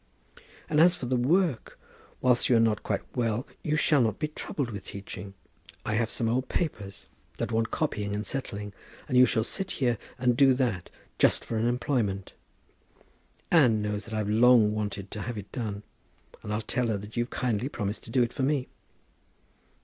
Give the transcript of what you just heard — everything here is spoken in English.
"And as for the work, whilst you are not quite well you shall not be troubled with teaching. I have some old papers that want copying and settling, and you shall sit here and do that just for an employment. Anne knows that I've long wanted to have it done, and I'll tell her that you've kindly promised to do it for me."